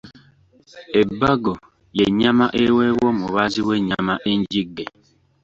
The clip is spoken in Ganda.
Ebbago y’ennyama eweebwa omubaazi w’ennyama enjigge.